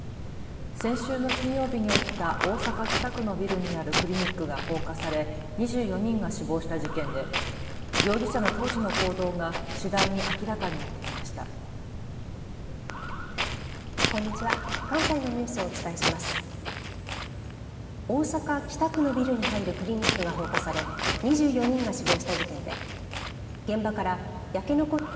先週の金曜日に起きた大阪北区のビルにあるクリニックが放火され２４人が死亡した事件で容疑者の当時の行動が次第に明らかになってきました。